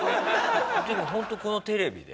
ホントこのテレビで？